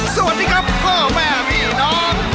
สวัสดีครับพ่อแม่พี่น้อง